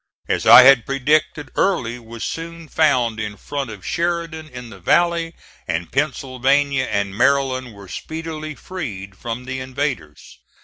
As I had predicted, Early was soon found in front of Sheridan in the valley, and Pennsylvania and Maryland were speedily freed from the invaders.